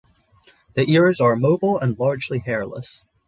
The ears are mobile and largely hairless.